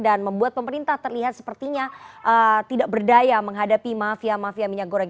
dan membuat pemerintah terlihat sepertinya tidak berdaya menghadapi mafia mafia minyak goreng